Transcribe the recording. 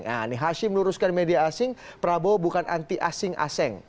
nah ini hashim luruskan media asing prabowo bukan anti asing aseng